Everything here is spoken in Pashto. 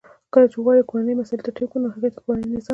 کله چی وغواړو کورنی مسایل ترتیب کړو نو هغه ته کورنی نظام وای .